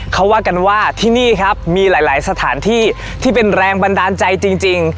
เขาว่ากันว่าที่นี่ครับมีหลายสถานที่ที่เป็นแรงบันดาลใจจริง